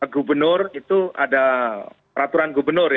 gubernur itu ada peraturan gubernur ya